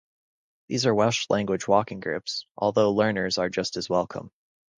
These are Welsh-language walking groups, although learners are just as welcome.